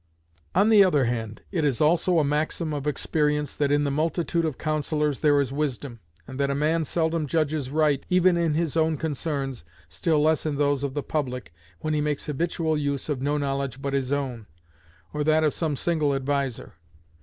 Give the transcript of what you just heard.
On the other hand, it is also a maxim of experience that in the multitude of councillors there is wisdom, and that a man seldom judges right, even in his own concerns, still less in those of the public, when he makes habitual use of no knowledge but his own, or that of some single adviser.